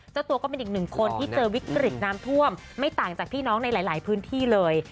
เจ้าตัวก็เป็นอีกหนึ่งคนที่เจอวิกฤตน้ำท่วมไม่ต่างจากพี่น้องในหลายพื้นที่เลย